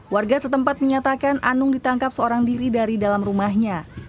warga setempat menyatakan anung ditangkap seorang diri dari dalam rumahnya